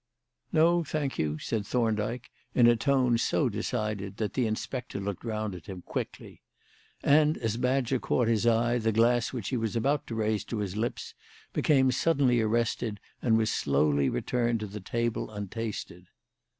"No, thank you," said Thorndyke, in a tone so decided that the inspector looked round at him quickly. And as Badger caught his eye, the glass which he was about to raise to his lips became suddenly arrested and was slowly returned to the table untasted.